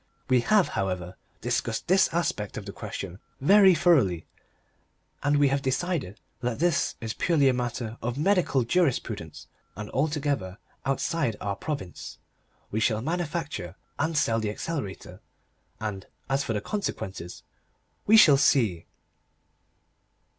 We have, however, discussed this aspect of the question very thoroughly, and we have decided that this is purely a matter of medical jurisprudence and altogether outside our province. We shall manufacture and sell the Accelerator, and, as for the consequences we shall see.